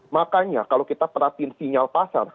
makanya kalau kita perhatiin sinyal pasar